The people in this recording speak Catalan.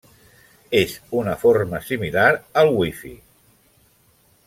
És una forma similar al Wi-Fi.